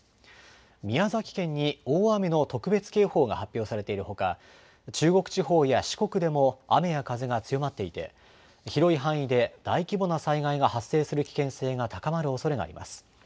宮崎に大雨の特別警報が発表されているほか、中国地方や四国でも雨や風が強まっていて、広い範囲で大規模な災害が発生する危険性が高まるおそれがあります。